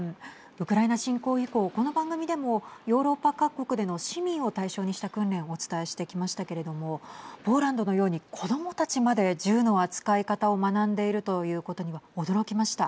ウクライナ侵攻以降この番組でもヨーロッパ各国での市民を対象にした訓練をお伝えしてきましたけれどもポーランドのように子どもたちまで銃の扱い方を学んでいるということには驚きました。